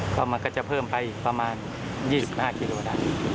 ก็มันก็จะเพิ่มไปอีกประมาณ๒๕กิโลกรัม